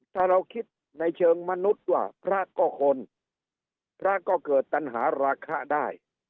ถ้าเราคิดในเชิงมนุษย์ว่าพระก็คนพระก็เกิดปัญหาราคาได้